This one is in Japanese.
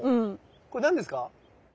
これ何ですか？